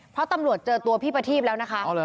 เพราะตำรวจเจอตัวพี่ประทีพแล้วนะคะ